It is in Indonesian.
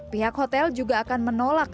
pihak hotel juga akan menolak